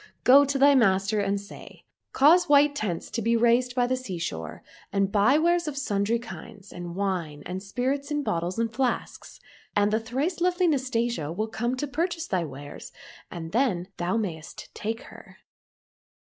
Go to thy master and say, ' Cause white tents to be raised by the sea shore, and buy wares of sundry kinds, and wine and spirits in bottles and flasks,' and the thrice lovely Nastasia will come and purchase thy wares, and then thou mayst take her."